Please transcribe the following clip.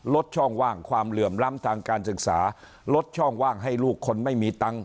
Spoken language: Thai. ลดช่องว่างความเหลื่อมล้ำทางการศึกษาลดช่องว่างให้ลูกคนไม่มีตังค์